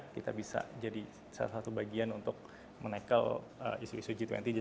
kita bisa jadi salah satu bagian untuk membuatnya